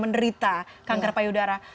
menderita kanker payudara